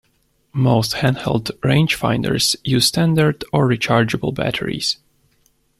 Most handheld rangefinders use standard or rechargeable batteries.